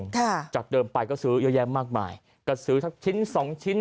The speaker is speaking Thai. ค่ะจากเดิมไปก็ซื้อเยอะแยะมากมายก็ซื้อสักชิ้นสองชิ้น